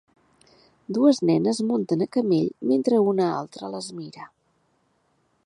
Dues nenes munten a camell mentre una altra les mira.